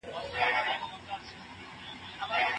په دغسي شېبو كي عام